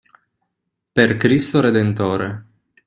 Per Cristo redentore